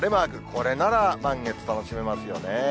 これなら、満月楽しめますよね。